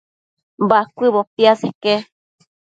Bacuëbo piaseque